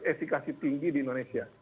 efekasi tinggi di indonesia